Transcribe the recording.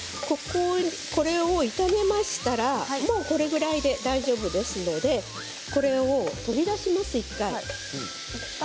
これを炒めましたらもうこれぐらいで大丈夫ですので１回、取り出します。